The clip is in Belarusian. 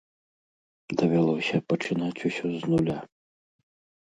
Давялося пачынаць усё з нуля.